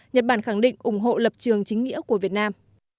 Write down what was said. nhật bản khẳng định ủng hộ lập trường chính nghĩa của việt nam